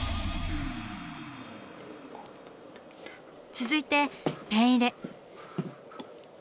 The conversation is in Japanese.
続いてペン入れ。